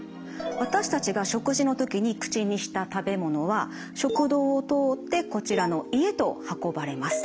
私たちが食事の時に口にした食べ物は食道を通ってこちらの胃へと運ばれます。